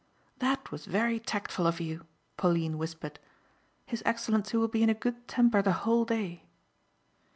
"That was very tactful of you," Pauline whispered. "His Excellency will be in a good temper the whole day."